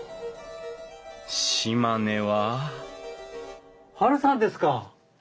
島根はハルさんですか！？